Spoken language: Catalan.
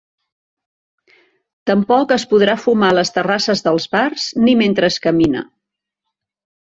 Tampoc es podrà fumar a les terrasses dels bars ni mentre es camina.